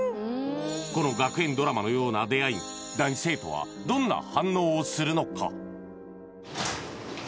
この学園ドラマのような出会いに男子生徒はどんな反応をするのか？